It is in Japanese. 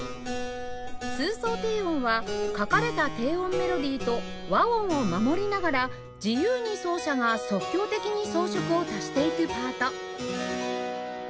通奏低音は書かれた低音メロディーと和音を守りながら自由に奏者が即興的に装飾を足していくパート